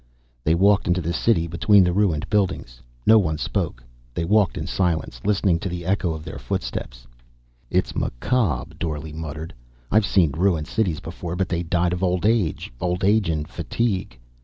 They walked into the city between the ruined buildings. No one spoke. They walked in silence, listening to the echo of their footsteps. "It's macabre," Dorle muttered. "I've seen ruined cities before but they died of old age, old age and fatigue.